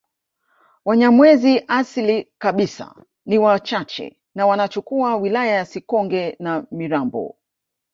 Wanyamwezi asili kabisa ni wachache na wanachukua wilaya ya Sikonge na Mirambo